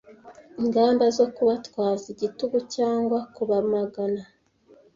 Ingamba zo kubatwaza igitugu cyangwa kubamagana